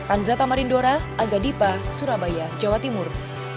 anzatama rindora aga dipa surabaya jawa timur